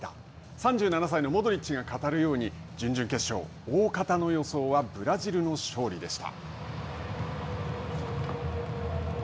３７歳のモドリッチが語るように、準々決勝、大方の予想はブラジルの勝利でした。